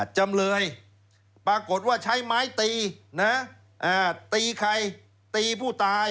จำเลยปรากฏว่าใช้ไม้ตีนะตีตีใครตีผู้ตาย